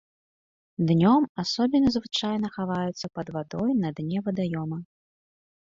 Днём асобіны звычайна хаваюцца пад вадой на дне вадаёма.